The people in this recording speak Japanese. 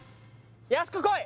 安くこい！